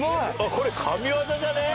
これ神業じゃねえ？